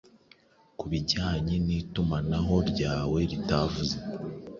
kubijyanye nitumanaho ryawe ritavuze